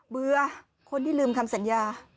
แบบนี้เลย